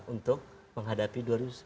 untuk menghadapi dua ribu sembilan belas